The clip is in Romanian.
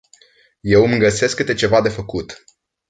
Eu îmi găsesc câte ceva de făcut.